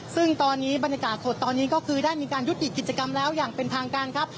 ซึ่งตอนนี้บรรยากาศสดตอนนี้ก็คือได้มีการยุติกิจกรรมแล้วอย่างเป็นทางการครับ